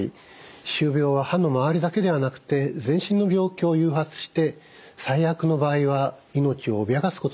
歯周病は歯の周りだけではなくて全身の病気を誘発して最悪の場合は命を脅かすこともあるんです。